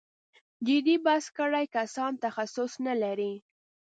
جدي بحث کړی کسان تخصص نه لري.